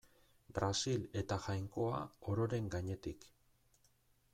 Brasil eta Jainkoa ororen gainetik.